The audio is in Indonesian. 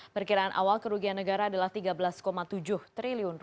perkiraan awal kerugian negara adalah rp tiga belas tujuh triliun